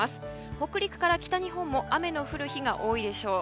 北陸から北日本も雨の降る日が多いでしょう。